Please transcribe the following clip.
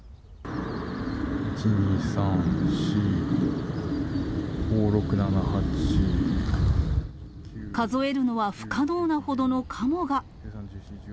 １、２、３、４、５、６、数えるのは不可能なほどのカモが。